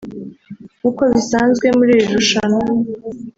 nk’uko bisanzwe muri iri rushanwa